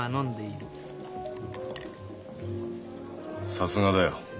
さすがだよ。